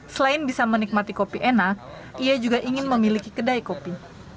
selain bisa menikmati kopi enak ia juga ingin memiliki kedai kopi